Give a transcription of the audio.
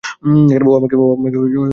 ও আমাকে গুলি করেছে!